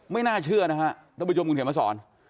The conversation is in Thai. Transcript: ไม่น่าเชื่อนะฮะท่านผู้ชมคุณเขียนมาสอน